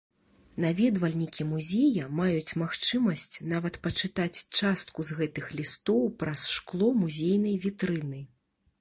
Наведвальнікі музея маюць магчымасць нават пачытаць частку з гэтых лістоў праз шкло музейнай вітрыны.